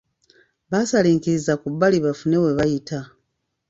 Baasalinkiriza ku bbali bafune we bayita.